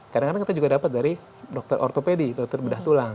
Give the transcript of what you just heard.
kadang kadang kita juga dapat dari dokter ortopedi dokter bedah tulang